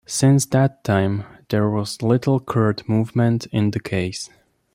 Since that time there was little court movement in the case.